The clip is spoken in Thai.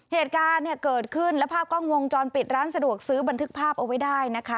เหตุการณ์เนี่ยเกิดขึ้นและภาพกล้องวงจรปิดร้านสะดวกซื้อบันทึกภาพเอาไว้ได้นะคะ